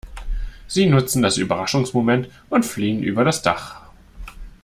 Sie nutzen das Überraschungsmoment und fliehen über das Dach.